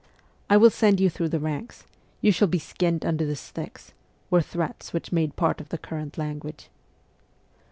'I will send you through the ranks ; you shall be skinned under the sticks,' were threats which made part of the current language.